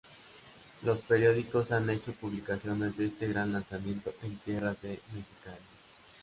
Los periódicos han hecho publicaciones de este gran lanzamiento en tierras de Mexicali.